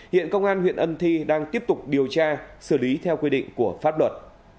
hiện công an huyện ân thi đang tiếp tục điều tra xử lý theo quy định của pháp luật